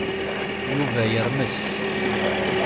Yuba yermes.